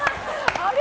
あれ？